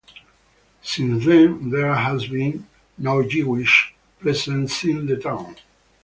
Since then, there has been no Jewish presence in the town.